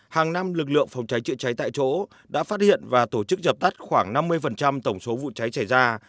hàng năm lực lượng phòng cháy chữa cháy tại chỗ đã phát hiện và tổ chức dập tắt khoảng năm mươi tổng số vụ cháy xảy ra